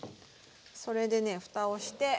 それでねふたをして。